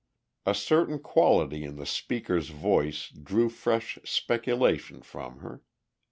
A certain quality in the speaker's voice drew fresh speculation from her.